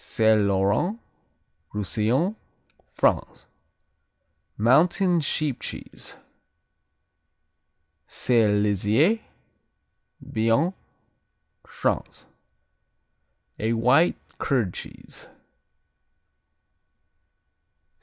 _ Saint Laurent Roussillon, France Mountain sheep cheese. Saint Lizier Béarn, France A white, curd cheese.